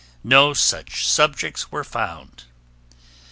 No such subjects were found.